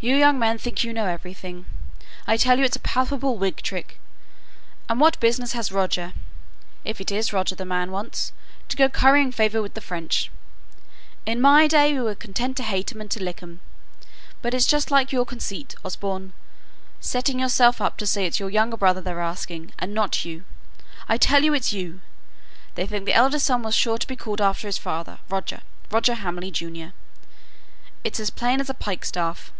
"You young men think you know everything. I tell you it's a palpable Whig trick. And what business has Roger if it is Roger the man wants to go currying favour with the French? In my day we were content to hate 'em and to lick 'em. But it's just like your conceit, Osborne, setting yourself up to say it's your younger brother they're asking, and not you; I tell you it's you. They think the eldest son was sure to be called after his father, Roger Roger Hamley, junior. It's as plain as a pike staff.